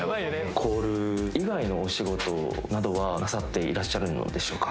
コール以外のお仕事などはなさっていらっしゃるのでしょうか？